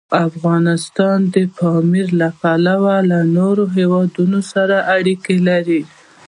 افغانستان د پامیر له پلوه له نورو هېوادونو سره اړیکې لري.